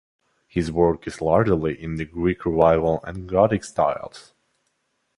His work is largely in the Greek Revival and Gothic styles.